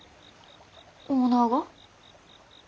オーナーが？